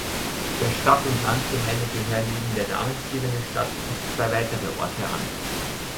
Der Stadt-und-Land-Gemeinde gehören neben der namensgebenden Stadt noch zwei weitere Orte an.